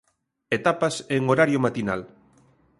Etapas en horario matinal.